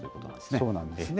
そうなんですね。